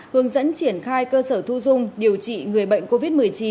hướng dẫn triển khai cơ sở thu dung điều trị người bệnh covid một mươi chín